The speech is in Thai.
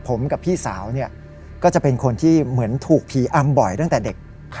ผมกับพี่สาวก็จะเป็นคนที่เหมือนถูกผีอำบ่อยตั้งแต่เด็ก